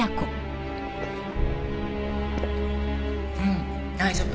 うん大丈夫。